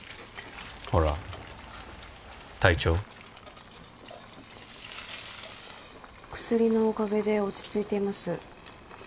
ほら体調薬のおかげで落ち着いています